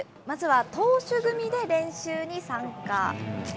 まずは投手組で練習に参加。